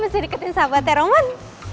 gue mesti diketin sahabatnya roman